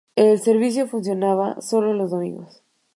El servicio funcionaba solo los domingos.